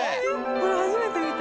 これ初めて見た。